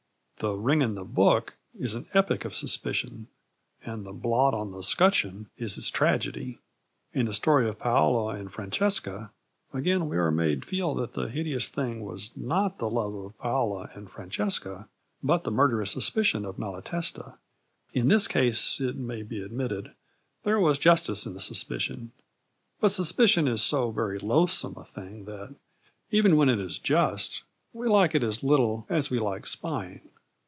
The Ring and the Book is an epic of suspicion, and the Blot on the 'Scutcheon is its tragedy. In the story of Paolo and Francesca, again, we are made feel that the hideous thing was not the love of Paolo and Francesca, but the murderous suspicion of Malatesta. In this case it may be admitted, there was justice in the suspicion; but suspicion is so very loathsome a thing that, even when it is just, we like it as little as we like spying.